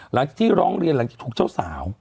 หลังจากที่ร้องเรียนหลังจากถูกเจ้าสาว